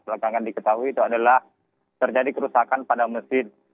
belakangan diketahui itu adalah terjadi kerusakan pada masjid